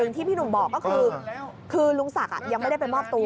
ที่พี่หนุ่มบอกก็คือลุงศักดิ์ยังไม่ได้ไปมอบตัว